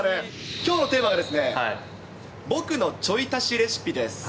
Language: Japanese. きょうのテーマがですね、僕のちょい足しレシピです。